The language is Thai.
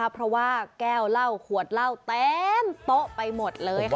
เพราะว่าแก้วเหล้าขวดเหล้าเต็มโต๊ะไปหมดเลยค่ะ